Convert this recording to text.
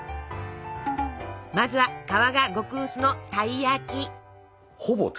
まずは皮が極薄のたい焼き。